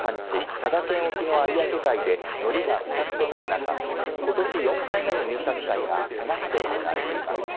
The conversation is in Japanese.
佐賀県沖の有明海でのりが不作となる中ことし４回目の入札会が佐賀市で行われています。